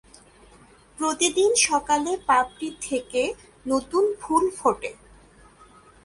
প্রতিদিন সকালে পাপড়ি থেকে নতুন ফুল ফোটে।